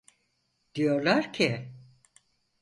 Diyorlar ki…